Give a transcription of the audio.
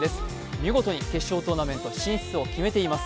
見事に決勝トーナメント進出を決めています。